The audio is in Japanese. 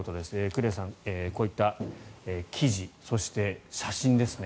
栗原さん、こういった記事そして、写真ですね。